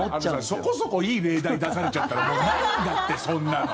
そこそこいい例題出されちゃったらもうないんだって、そんなの。